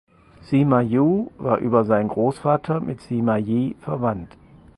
Sima Yue war über seinen Großvater mit Sima Yi verwandt.